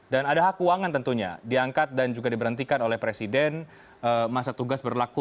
dan ada hak keuangan tentunya diangkat dan juga diberhentikan oleh presiden masa tugas berlaku